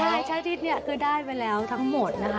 ใช่ใช้ทิศเนี่ยคือได้ไปแล้วทั้งหมดนะคะ